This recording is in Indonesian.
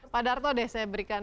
pak darto deh saya berikan